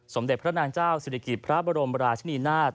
สมเด็จพระนางเจ้าศิริกิตพระบรมราชนีนาฏ